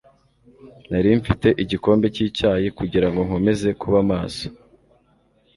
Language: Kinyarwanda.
Nari mfite igikombe cy'icyayi kugirango nkomeze kuba maso.